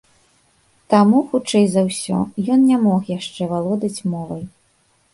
Таму, хутчэй за ўсё, ён не мог яшчэ валодаць мовай.